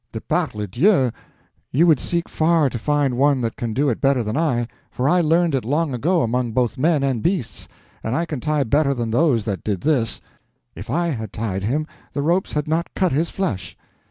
De par le Dieu! You would seek far to find one that can do it better than I, for I learned it long ago among both men and beasts. And I can tie better than those that did this; if I had tied him the ropes had not cut his flesh."